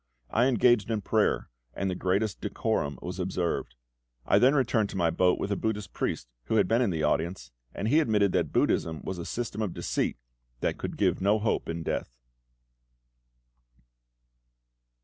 I engaged in prayer, and the greatest decorum was observed. I then returned to my boat with a Buddhist priest who had been in the audience, and he admitted that Buddhism was a system of deceit that could give no hope in death.